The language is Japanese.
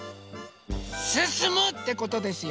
すすむ！ってことですよ。